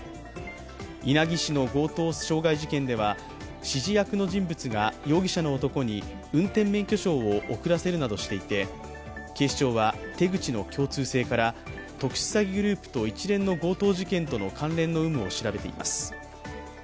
稲城市の強盗傷害事件では指示役の人物が容疑者の男に運転免許証を送らせるなどしていて警視庁は手口の共通性から特殊詐欺グループと一連の強盗事件との関連の有無を調べています。